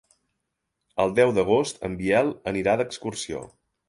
El deu d'agost en Biel anirà d'excursió.